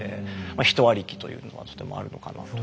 まあ「人ありき」というのはとてもあるのかなと。